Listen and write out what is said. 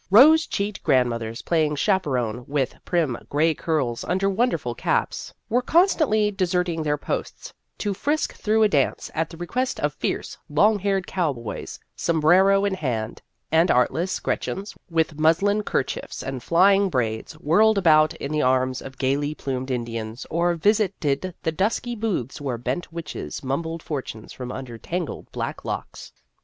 Rosy cheeked grandmothers, playing chaperon with prim gray curls under wonderful caps, Si 82 Vassar Studies were constantly deserting their posts to frisk through a dance at the request of fierce, long haired cowboys, sombrero in hand ; and artless Gretchens, with muslin kerchiefs and flying braids, whirled about in the arms of gayly plumed Indians, or visited the dusky booths where bent witches mumbled fortunes from under tangled black locks.